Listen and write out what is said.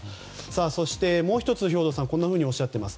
そして、もう１つ兵頭さんこんなふうにおっしゃっています。